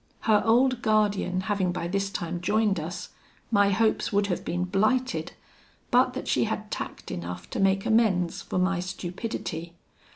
Her old guardian having by this time joined us, my hopes would have been blighted, but that she had tact enough to make amends for my stupidity.